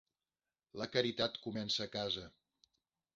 La caritat comença a casa.